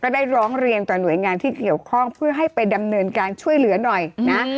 ได้ร้องเรียนต่อหน่วยงานที่เกี่ยวข้องเพื่อให้ไปดำเนินการช่วยเหลือหน่อยนะ